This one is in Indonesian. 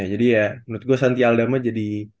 jadi ya menurut gua santialdama jadi